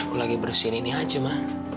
aku lagi bersihin ini aja mah